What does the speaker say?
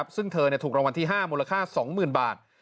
ซึ่งเธอถูกรางวัลที่๕มูลค่า๒๐๐๐บาท